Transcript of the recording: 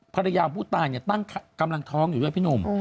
ภรรยาของผู้ตายเนี่ยตั้งกำลังท้องอยู่ด้วยพี่หนุ่ม